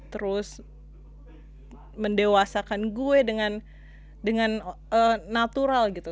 terus mendewasakan gue dengan natural gitu